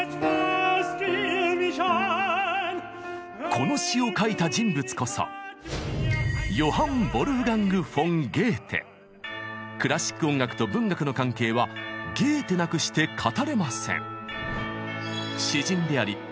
この詩を書いた人物こそクラシック音楽と文学の関係はゲーテなくして語れません。